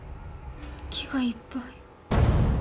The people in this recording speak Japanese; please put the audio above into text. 木がいっぱい。